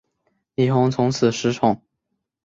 李弘从此失宠。